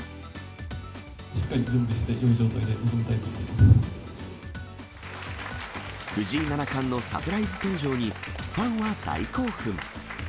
しっかり準備して、いい状態藤井七冠のサプライズ登場に、ファンは大興奮。